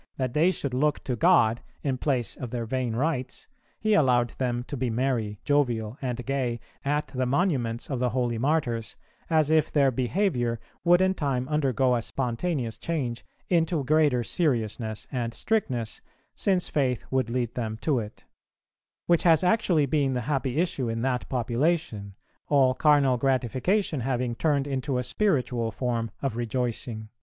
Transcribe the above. that they should look to God in place of their vain rites, he allowed them to be merry, jovial, and gay at the monuments of the holy Martyrs, as if their behaviour would in time undergo a spontaneous change into greater seriousness and strictness, since faith would lead them to it; which has actually been the happy issue in that population, all carnal gratification having turned into a spiritual form of rejoicing."